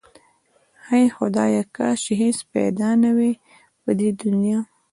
هی خدایا کاش چې هیڅ پیدا نه واي په دی دنیا